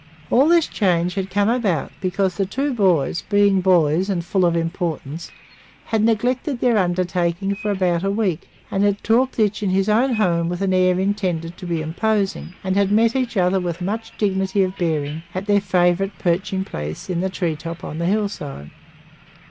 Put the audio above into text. All this change had come because the two boys, being boys and full of importance, had neglected their undertaking for about a week and had talked each in his own home with an air intended to be imposing, and had met each other with much dignity of bearing, at their favorite perching place in the treetop on the hillside.